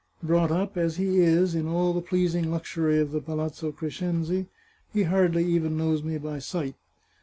Brought up, as he is, in all the pleasing luxury of the Palazzo Crescenzi, he hardly even knows me by sight.